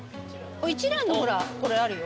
一蘭のほらこれあるよ。